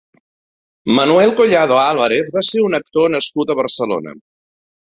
Manuel Collado Álvarez va ser un actor nascut a Barcelona.